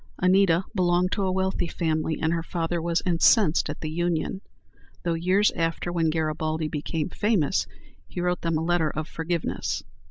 Anita belonged to a wealthy family, and her father was incensed at the union, though years after, when Garibaldi became famous, he wrote them a letter of forgiveness.